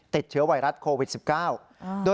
ติดเชื้อไวรัสโควิด๑๙